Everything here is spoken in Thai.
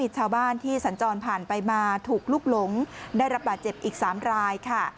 ชาวบ้านที่สัญจรผ่านไปมาถูกลุกหลงได้รับบาดเจ็บอีก๓รายค่ะ